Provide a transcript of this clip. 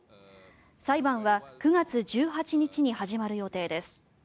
裁判は９月１８日に始まる予定です。